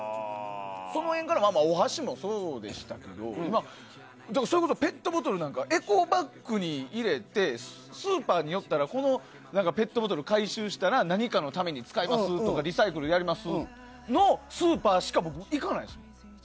その辺からお箸もそうでしたけどそれこそペットボトルなんかエコバッグに入れてスーパーによってこのペットボトル回収したら何かのために使いますとかリサイクルやりますのスーパーしか僕行かないですよ。